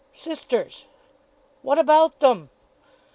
"Sisters." "What about them?"